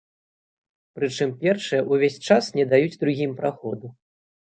Прычым першыя ўвесь час не даюць другім праходу.